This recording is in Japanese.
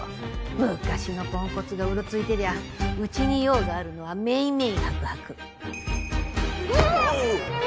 昔のポンコツがうろついてりゃうちに用があるのは明々白々。